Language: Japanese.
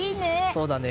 そうだね。